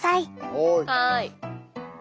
はい。